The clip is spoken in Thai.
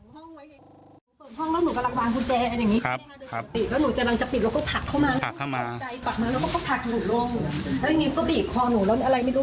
ร้องร้องร้องให้เสียงดังนะแล้วทีนี้เขาก็เลยตัดใจ